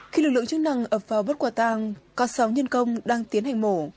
khi lực lượng chức năng ập vào bắt quả tang có sáu nhân công đang tiến hành mổ